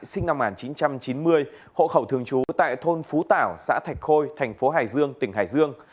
sinh năm một nghìn chín trăm chín mươi hộ khẩu thường trú tại thôn phú tảo xã thạch khôi thành phố hải dương tỉnh hải dương